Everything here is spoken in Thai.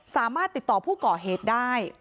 สามารถติดต่อผู้ก่อเหตุได้